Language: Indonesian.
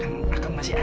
nih akan masih ada